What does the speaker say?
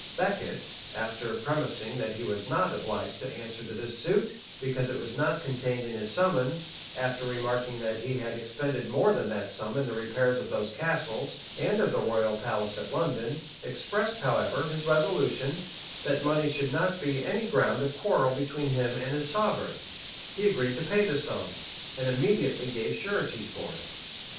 Becket, after premising that he was not obliged to answer to this suit, because it was not contained in his summons; after remarking that he had expended more than that sum in the repairs of those castles, and of the royal palace at London, expressed, however, his resolution, that money should not be any ground of quarrel between him and his sovereign; he agreed to pay the sum, and immediately gave sureties for it.